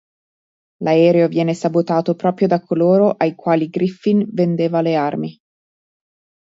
L'aereo viene sabotato proprio da coloro ai quali "Griffin" vendeva le armi.